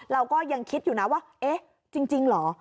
เราก็ยังคิดอยู่นะว่าเอ๊ะจริงเหรอ